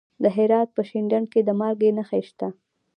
د هرات په شینډنډ کې د مالګې نښې شته.